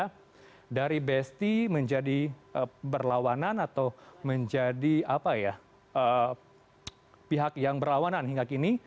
karena dari besti menjadi berlawanan atau menjadi pihak yang berlawanan hingga kini